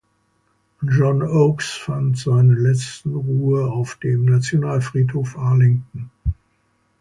John Oakes fand seine letzte Ruhe auf dem Nationalfriedhof Arlington.